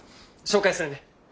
紹介するね。